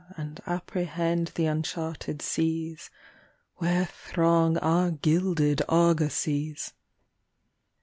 And apprehend the uncharted seas Where throng our gilded argosies.